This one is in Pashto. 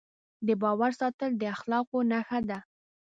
د باور ساتل د اخلاقو نښه ده.